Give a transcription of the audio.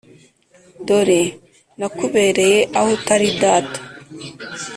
dore nakubereye aho utari data,